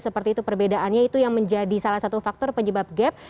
seperti itu perbedaannya itu yang menjadi salah satu faktor penyebab gap